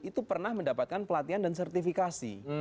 itu pernah mendapatkan pelatihan dan sertifikasi